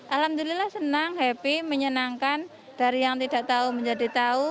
alhamdulillah senang happy menyenangkan dari yang tidak tahu menjadi tahu